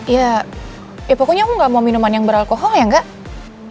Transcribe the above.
ya pokoknya aku nggak mau minuman yang beralkohol ya enggak